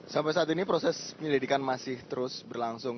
sampai saat ini proses penyelidikan masih terus berlangsung